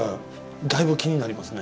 だいぶ気になりますね。